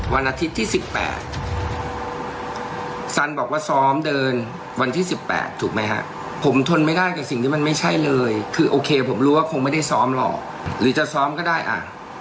วันอาทิตย์ที่๑๘ซันบอกว่าซ้อมเดินวันที่๑๘ถูกไหมฮะผมทนไม่ได้กับสิ่งที่มันไม่ใช่เลยคือโอเคผมรู้ว่าคงไม่ได้ซ้อมหรอกหรือจะซ้อมก็ได้อ่ะ